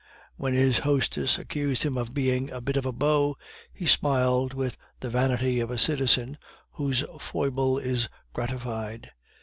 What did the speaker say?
When his hostess accused him of being "a bit of a beau," he smiled with the vanity of a citizen whose foible is gratified.